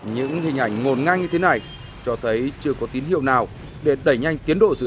những hình ảnh ngồn ngang như thế này cho thấy chưa có tín hiệu nào để đẩy nhanh tiến độ sử